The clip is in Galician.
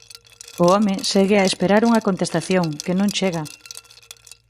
O home segue a esperar unha contestación, que non chega.